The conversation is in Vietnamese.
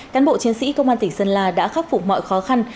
cán bộ chiến sĩ công an tỉnh sơn la đã khắc phục mọi khó khăn